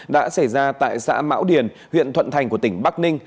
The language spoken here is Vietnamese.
đã xảy ra tại xã mão điền huyện thuận thành của tỉnh bắc ninh